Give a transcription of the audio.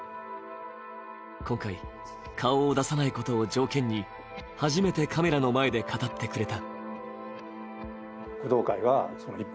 今回、顔を出さないことを条件に初めてカメラの前で語ってくれた。